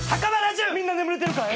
みんな眠れてるかい？